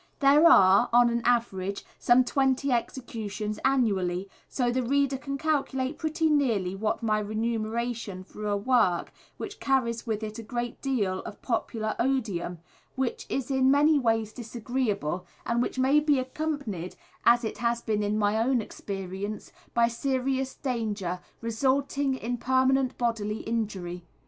_ There are, on an average, some twenty executions annually, so that the reader can calculate pretty nearly what is my remuneration for a work which carries with it a great deal of popular odium, which is in many ways disagreeable, and which may be accompanied, as it has been in my own experience, by serious danger, resulting in permanent bodily injury.